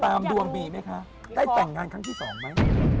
ตามดวงมีไหมคะได้แต่งงานครั้งที่๒มั้ย